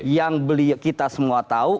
yang kita semua tahu